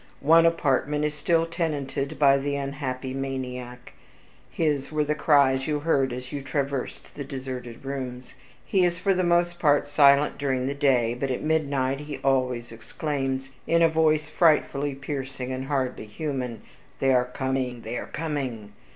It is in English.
One apartment is still tenanted by the unhappy maniac; his were the cries you heard as you traversed the deserted rooms. He is for the most part silent during the day, but at midnight he always exclaims, in a voice frightfully piercing, and hardly human, "They are coming! they are coming!"